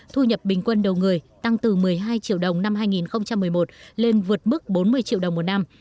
thu nhập bình quân đầu người tăng từ một mươi hai triệu đồng năm hai nghìn một mươi một lên vượt mức bốn mươi triệu đồng một năm